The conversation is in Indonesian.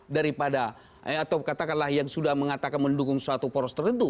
daripada atau katakanlah yang sudah mengatakan mendukung suatu poros tertentu